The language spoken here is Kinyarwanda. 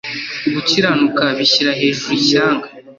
gukiranuka bishyira hejuru ishyanga